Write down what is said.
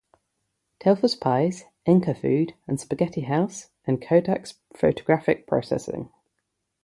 Telfer's Pies, Encafood and Spaghetti House and Kodak's photographic processing.